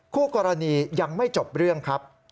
คู่กรณียังไม่จบเรื่องครับ